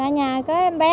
và nhà có em bé